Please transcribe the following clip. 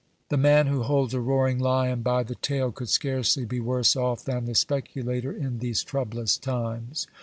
The man who holds a roaring lion by the tail could scarcely be worse off than the speculator in these troublous times.